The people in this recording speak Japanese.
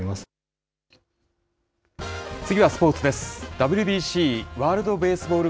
ＷＢＣ・ワールドベースボール